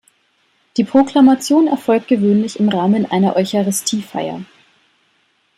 Die Proklamation erfolgt gewöhnlich im Rahmen einer Eucharistiefeier.